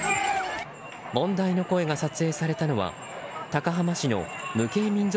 問題の声が撮影されたのは高浜市の無形民俗